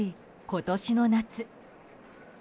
今年の夏。